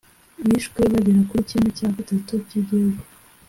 bishwe bagera kuri kimwe cya gatatu cy igihugu